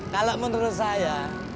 kalau menurut saya